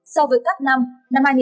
so với các năm